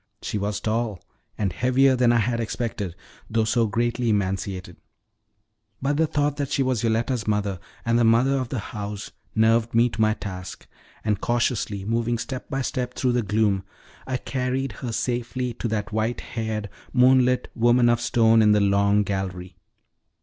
She was tall, and heavier than I had expected, though so greatly emaciated; but the thought that she was Yoletta's mother, and the mother of the house, nerved me to my task, and cautiously moving step by step through the gloom, I carried her safely to that white haired, moonlit woman of stone in the long gallery.